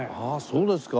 そうですか。